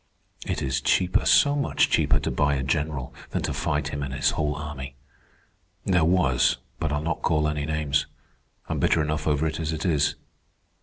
It is cheaper, so much cheaper, to buy a general than to fight him and his whole army. There was—but I'll not call any names. I'm bitter enough over it as it is.